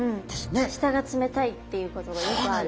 下が冷たいっていうことがよくある。